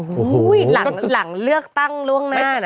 หู้วววววหลังเลือกตั้งร่วงหน้านะ